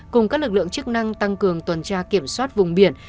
cùng các lực lượng chức năng tăng cường tuần tra kiểm soát vùng biển